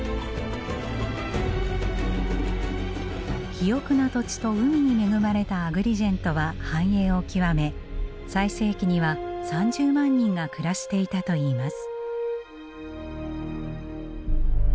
肥沃な土地と海に恵まれたアグリジェントは繁栄を極め最盛期には３０万人が暮らしていたといいます。